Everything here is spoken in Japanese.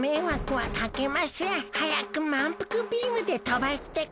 はやくまんぷくビームでとばしてください。